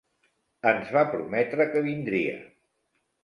Ens va prometre que vindria.